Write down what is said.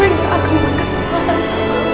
gue gak akan berkesalahan sama lu